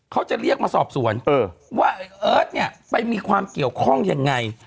เขาจะเรียกมาสอบสวนว่าเอิร์ทเนี่ยไปมีความเกี่ยวข้องยังไง